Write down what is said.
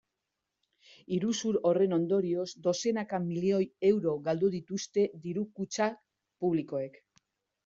Iruzur horren ondorioz dozenaka milioi euro galdu dituzte diru-kutxa publikoek.